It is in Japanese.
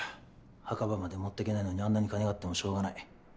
墓場まで持ってけないのにあんなに金があってもしょうがない。